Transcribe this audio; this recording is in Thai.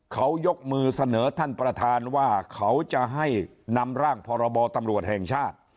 เขายกมือเสนอท่านประธานว่าเขาจะให้นำร่างพรบตำรวจแห่งชาติ